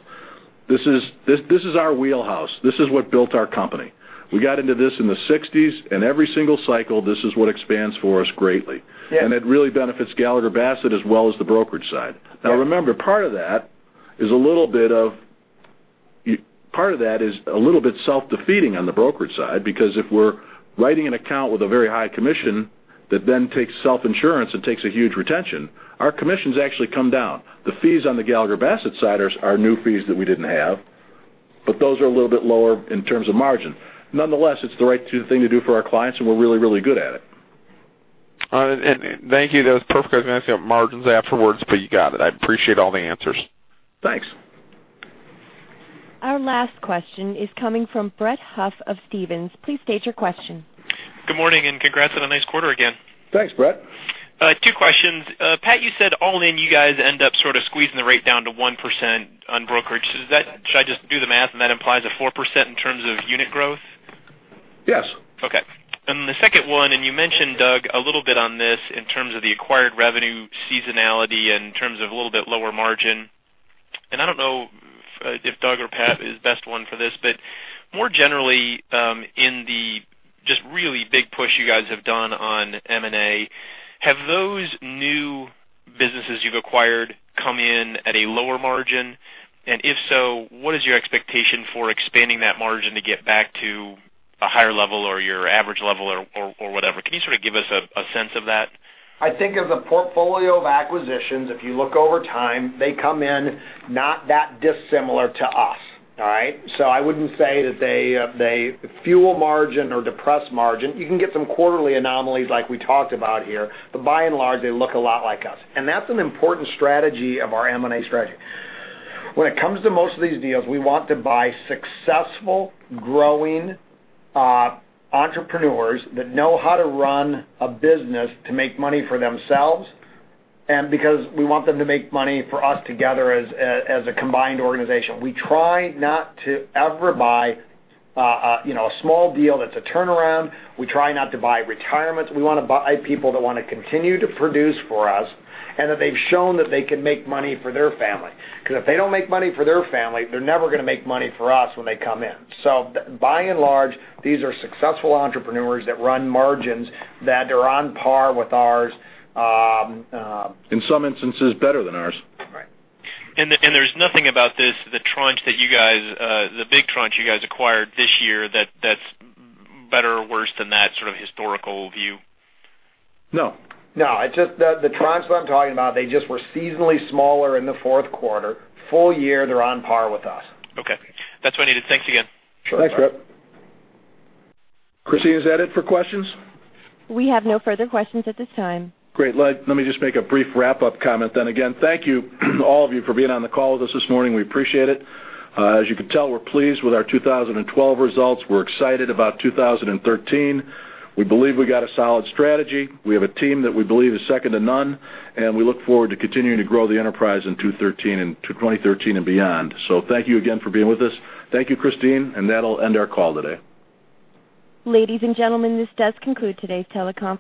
This is our wheelhouse. This is what built our company. We got into this in the '60s, every single cycle, this is what expands for us greatly. It really benefits Gallagher Bassett as well as the brokerage side. Now, remember, part of that is a little bit self-defeating on the brokerage side, because if we're writing an account with a very high commission that then takes self-insurance and takes a huge retention, our commissions actually come down. The fees on the Gallagher Bassett side are new fees that we didn't have, but those are a little bit lower in terms of margin. Nonetheless, it's the right thing to do for our clients, we're really, really good at it. All right. Thank you. That was perfect, because I was going to ask you about margins afterwards, you got it. I appreciate all the answers. Thanks. Our last question is coming from Brett Huff of Stephens. Please state your question. Good morning, congrats on a nice quarter again. Thanks, Brett. Two questions. Pat, you said all in, you guys end up sort of squeezing the rate down to 1% on brokerage. Should I just do the math and that implies a 4% in terms of unit growth? Yes. The second one, you mentioned, Doug, a little bit on this in terms of the acquired revenue seasonality in terms of a little bit lower margin. I don't know if Doug or Pat is best one for this, but more generally, in the just really big push you guys have done on M&A, have those new businesses you've acquired come in at a lower margin? If so, what is your expectation for expanding that margin to get back to a higher level or your average level or whatever? Can you sort of give us a sense of that? I think as a portfolio of acquisitions, if you look over time, they come in not that dissimilar to us. All right? I wouldn't say that they fuel margin or depress margin. You can get some quarterly anomalies like we talked about here, but by and large, they look a lot like us. That's an important strategy of our M&A strategy. When it comes to most of these deals, we want to buy successful, growing entrepreneurs that know how to run a business to make money for themselves, and because we want them to make money for us together as a combined organization. We try not to ever buy a small deal that's a turnaround. We try not to buy retirements. We want to buy people that want to continue to produce for us, and that they've shown that they can make money for their family. Because if they don't make money for their family, they're never going to make money for us when they come in. By and large, these are successful entrepreneurs that run margins that are on par with ours. In some instances, better than ours. There's nothing about this, the big tranche that you guys acquired this year that's better or worse than that sort of historical view? No. The tranches I'm talking about, they just were seasonally smaller in the fourth quarter. Full year, they're on par with us. Okay. That's what I needed. Thanks again. Sure. Thanks, Brett. Christine, is that it for questions? We have no further questions at this time. Great. Let me just make a brief wrap-up comment then. Again, thank you, all of you, for being on the call with us this morning. We appreciate it. As you can tell, we're pleased with our 2012 results. We're excited about 2013. We believe we got a solid strategy. We have a team that we believe is second to none, and we look forward to continuing to grow the enterprise in 2013 and beyond. Thank you again for being with us. Thank you, Christine, and that'll end our call today. Ladies and gentlemen, this does conclude today's teleconference.